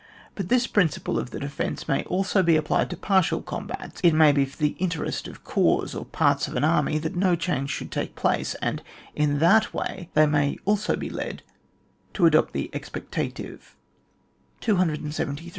But this principle of the defence may also be applied to partial com bats : it may be for the interest of corps, or parts of an army, that no change should take place, and in that way they may also be led to adopt the expecta tive. 273.